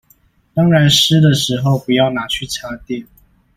當然濕的時候不要拿去插電